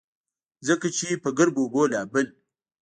ځکه چې پۀ ګرمو اوبو لامبل